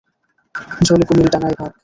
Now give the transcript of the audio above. জলে কুমির ডাঙ্গায় বাঘ।